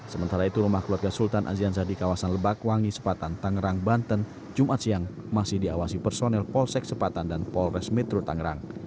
sementara itu rumah keluarga sultan aziansah di kawasan lebakwangi sepatan tangerang banten jumat siang masih diawasi personel polsek sepatan dan polres metro tangerang